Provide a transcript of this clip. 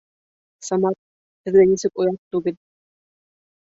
Самат, һеҙгә нисек оят түгел?